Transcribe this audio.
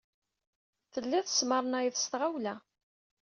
Tellid tesmernayed s tɣawla.